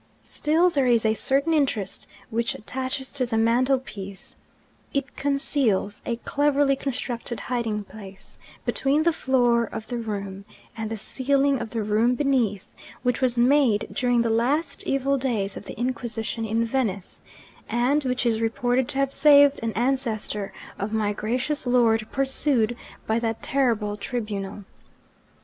Still, there is a certain interest which attaches to the mantel piece: it conceals a cleverly constructed hiding place, between the floor of the room and the ceiling of the room beneath, which was made during the last evil days of the Inquisition in Venice, and which is reported to have saved an ancestor of my gracious lord pursued by that terrible tribunal.